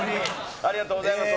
ありがとうございます。